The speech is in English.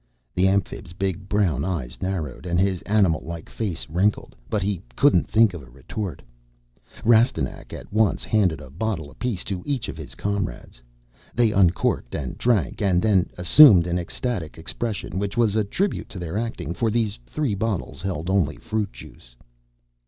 The Amphib's big brown eyes narrowed and his animal like face wrinkled, but he couldn't think of a retort. Rastignac at once handed a bottle apiece to each of his comrades. They uncorked and drank and then assumed an ecstatic expression which was a tribute to their acting, for these three bottles held only fruit juice.